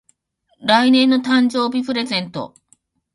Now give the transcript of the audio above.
来年の誕生日プレゼント